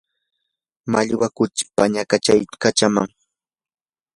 mallwa kuchii pañakachaykannam